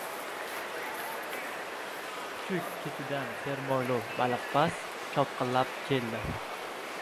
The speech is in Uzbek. Kuchuk ketidan sermo‘ylov baliqpaz chopqillab keldi.